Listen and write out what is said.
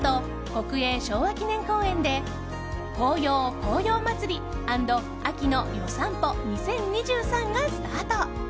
国営昭和記念公園で「黄葉・紅葉まつり＆秋の夜散歩２０２３」がスタート。